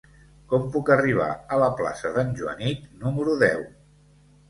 Com puc arribar a la plaça d'en Joanic número deu?